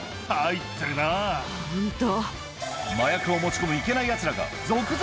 ホント。